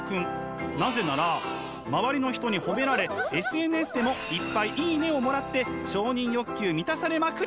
なぜなら周りの人に褒められＳＮＳでもいっぱい「いいね！」をもらって承認欲求満たされまくり！